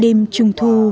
đêm trung thu